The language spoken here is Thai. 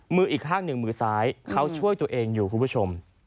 มืออีกข้างหนึ่งมือซ้ายเขาช่วยตัวเองอยู่คุณผู้ชม